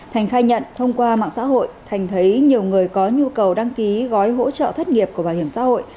thành khai nhận thông qua mạng xã hội thành thấy nhiều người có nhu cầu đăng ký gói hỗ trợ thất nghiệp của bảo hiểm xã hội